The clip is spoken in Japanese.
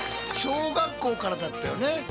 小学校からだったよね？